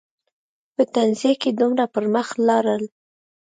په تنزیه کې دومره پر مخ لاړل.